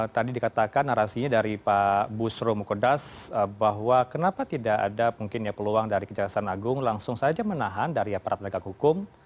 tadi dikatakan narasinya dari pak busro mukudas bahwa kenapa tidak ada mungkinnya peluang dari kejaksaan agung langsung saja menahan dari pra peradilan hukum